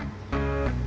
mas suha jahat